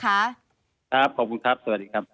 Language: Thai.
ขอบคุณครับสวัสดีครับ